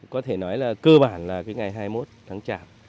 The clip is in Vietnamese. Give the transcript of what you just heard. có thể nói là cơ bản là cái ngày hai mươi một tháng chạp